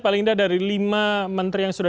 paling tidak dari lima menteri yang sudah